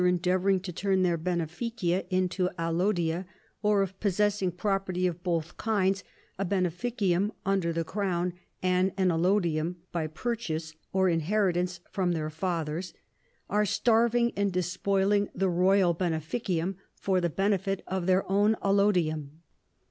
321 endeavoring to turn their henejicia into allodia or, if possessing property of both kinds, — a heneficium under the Crown and an allodium by purchase or inheritance from their fathers, — are starving and despoiling the royal heneficium for the benefit of their own allodium.